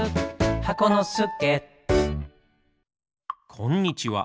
こんにちは